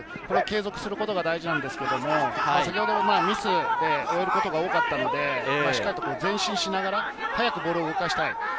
これを継続することが大事なんですけれど、ミスで終えることが多かったので、前進しながら早くボールを動かしたい。